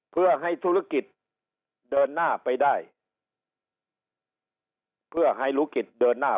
เพื่อให้ธุรกิจเดินหน้าไปได้เพื่อให้ธุรกิจเดินหน้า